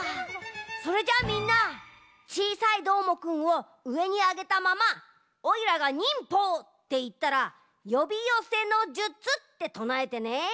それじゃあみんなちいさいどーもくんをうえにあげたままオイラが「忍法」っていったら「よびよせの術」ってとなえてね。